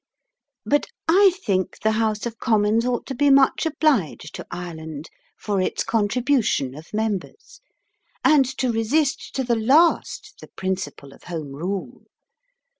But I think the House of Commons ought to be much obliged to Ireland for its contribution of members, and to resist to the last the principle of Home Rule.